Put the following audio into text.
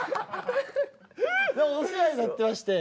お世話になってまして。